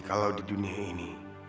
kalau di dunia ini